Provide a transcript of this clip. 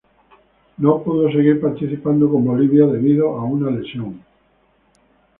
No pudo seguir participando con Bolivia debido a una lesión.